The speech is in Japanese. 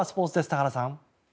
田原さん。